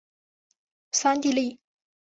桑蒂利。